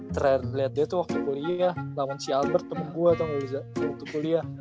terakhir liat dia tuh waktu kuliah lawan si albert temen gua tau ga reza